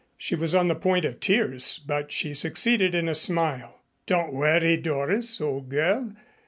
She was on the point of tears, but she succeeded in a smile. "Don't worry, Doris, old girl.